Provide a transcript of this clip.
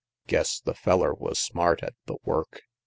Guess the feller was smart at the work!